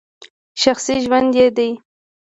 شخصي ژوند یې دی !